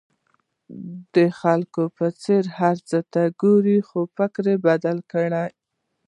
د خلکو په څېر هر څه ته ګورئ خو فکر یې بدل کړئ.